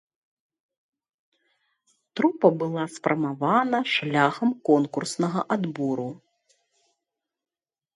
Трупа была сфармавана шляхам конкурснага адбору.